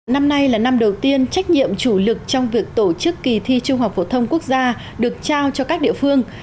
năm nay là năm đầu tiên trách nhiệm chủ lực trong việc tổ chức kỳ thi trung học phổ thông quốc gia được trao cho các địa phương